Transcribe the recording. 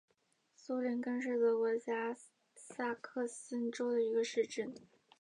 苏林根是德国下萨克森州的一个市镇。